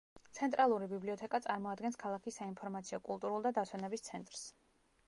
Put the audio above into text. ცენტრალური ბიბლიოთეკა წარმოადგენს ქალაქის საინფორმაციო, კულტურულ და დასვენების ცენტრს.